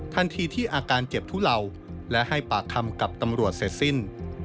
ทันทีที่อาการเจ็บทุเลาและให้ปากคำกับตำรวจเสร็จสิ้น